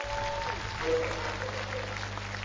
บริษัท นากกนก จำกัด